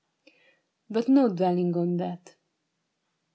" But no dwelling on that.